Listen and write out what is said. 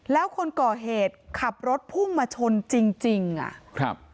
แล้วคนก่อเหตุขับรถพุ่งมาชนจริงจริงอ่ะครับ